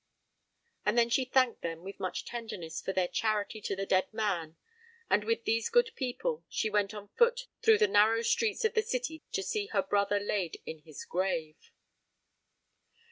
And then she thanked them with much tenderness for their charity to the dead man; and with these good people she went on foot through the narrow streets of the city to see her brother laid in his grave.